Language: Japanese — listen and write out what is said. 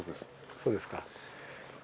そうですか。